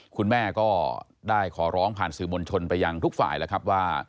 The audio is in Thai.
คุณแม่ก็ได้ขอร้องผ่านสื่อมวลชนไปยังทุกฝ่ายแล้วครับว่า